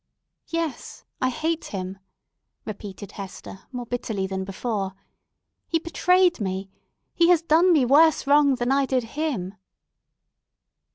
"Yes, I hate him!" repeated Hester more bitterly than before. "He betrayed me! He has done me worse wrong than I did him!"